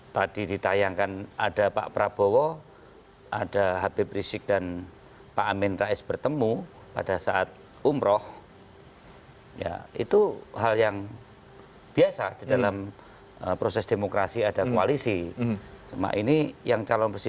jadi kita harus melakukan komunikasi